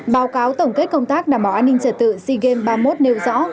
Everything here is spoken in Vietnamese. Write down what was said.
báo cáo tổng kết công tác đảm bảo an ninh trật tự sea games ba mươi một nêu rõ